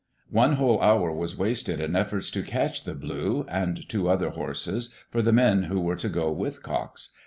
One whole hour was wasted in efforts to catch "The Blue" and two other horses for the men who were to go with Cox.